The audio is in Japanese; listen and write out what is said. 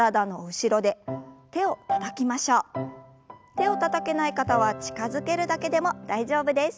手をたたけない方は近づけるだけでも大丈夫です。